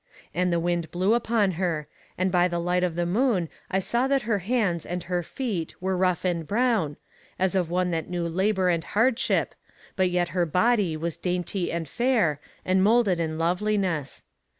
And the wind blew upon her, and by the light of the moon I saw that her hands and her feet were rough and brown, as of one that knew labour and hardship, but yet her body was dainty and fair, and moulded in loveliness.